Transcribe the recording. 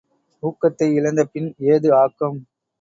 ஊக்கத்தை இழந்த பின் ஏது ஆக்கம்?